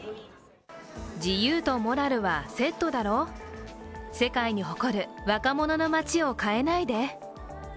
自由とモラルはセットだろう、世界に誇る若者の街を変えないで。